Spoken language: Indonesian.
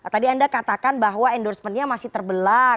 tadi anda katakan bahwa endorsementnya masih terbelah